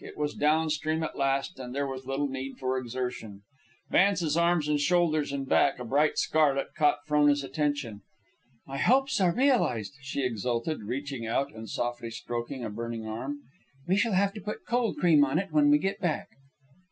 It was down stream at last, and there was little need for exertion. Vance's arms and shoulders and back, a bright scarlet, caught Frona's attention. "My hopes are realized," she exulted, reaching out and softly stroking a burning arm. "We shall have to put cold cream on it when we get back."